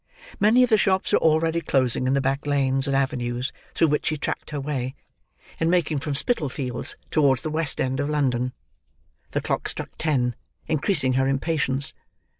Many of the shops were already closing in the back lanes and avenues through which she tracked her way, in making from Spitalfields towards the West End of London. The clock struck ten, increasing her impatience.